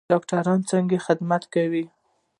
ډاکټران څنګه خدمت کوي؟